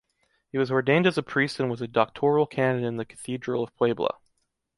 He was ordained a priest and was a doctoral canon in the Cathedral of Puebla.